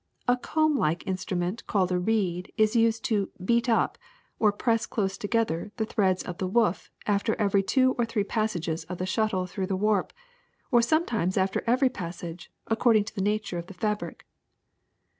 A comb like instrument called a reed is used to ^beat up' or press close together the threads of the woof after every two or three passages of the shuttle through the w^arp, or sometimes after every passage, according to the nature of the fabric.